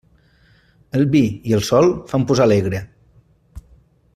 El vi i el sol fan posar alegre.